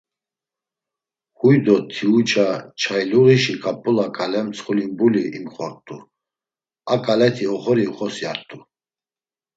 Huy do Tiuça çayluğişi ǩap̌ula ǩale mtsxulimbuli imxort̆u, a ǩaleti oxori uxosyart̆u.